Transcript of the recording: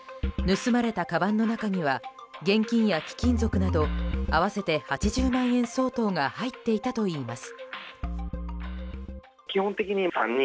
盗まれたかばんの中には現金や貴金属など合わせて８０万円相当が入っていたといいます。